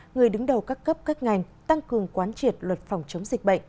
người đứng đầu các cấp các ngành tăng cường quán triệt luật phòng chống dịch bệnh